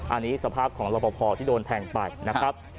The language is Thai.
อันนี้สภาพของรอบพอที่โดนแทงไปนะครับ